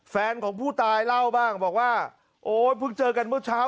แฟนของผู้ตายเล่าบ้างบอกว่าโอ๊ยเพิ่งเจอกันเมื่อเช้า